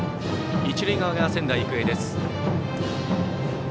一塁側が仙台育英です。